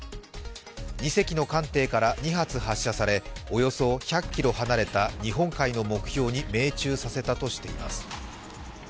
２隻の艦艇から２発発射されおよそ１００ｋｍ離れた日本海の目標に命中させたとしています。